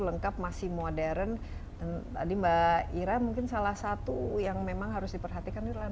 lengkap masih modern dan tadi mbak ira mungkin salah satu yang memang harus diperhatikan adalah